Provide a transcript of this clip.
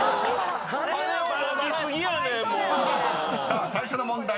［さあ最初の問題